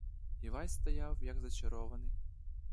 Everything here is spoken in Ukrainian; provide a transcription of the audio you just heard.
Івась стояв, як зачарований.